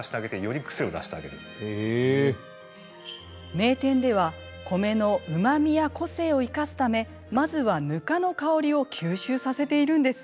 名店では米のうまみや個性を生かすためまずは、ぬかの香りを吸収させているんです。